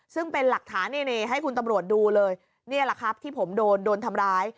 ซึ่งเป็นหลักฐานนี่ให้คุณตำรวจดูเลยนี่แหละครับที่ผมโดนโดนทำร้าย